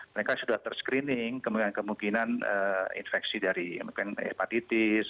mereka sudah terscreening kemungkinan infeksi dari hepatitis